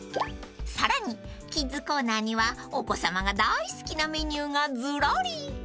［さらにキッズコーナーにはお子さまが大好きなメニューがずらり］